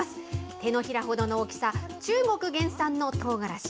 手のひらほどの大きさ、中国原産のとうがらし。